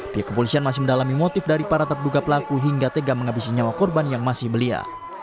pihak kepolisian masih mendalami motif dari para terduga pelaku hingga tega menghabisi nyawa korban yang masih belia